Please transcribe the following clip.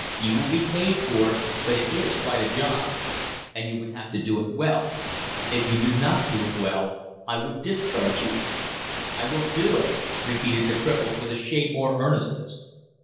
You will be paid for it, but it is quite a job. And you would have to do it well. If you did not do it well, I would discharge you." "I will do it!" repeated the cripple with a shade more earnestness.